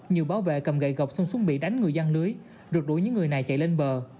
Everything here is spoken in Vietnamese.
nhiều bảo vệ cầm gậy gọc xong xuống bị đánh người dân lưới rượt đuổi những người này chạy lên bờ